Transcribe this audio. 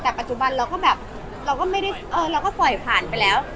แต่ปัจจุบันเราก็ไม่ได้เราก็ปล่อยผ่านไปแล้ว